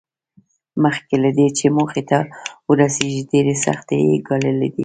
مخکې له دې چې موخې ته ورسېږي ډېرې سختۍ یې ګاللې دي